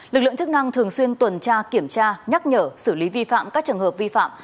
lực lượng chức năng thường xuyên tuần tra kiểm tra nhắc nhở xử lý vi phạm các trường hợp vi phạm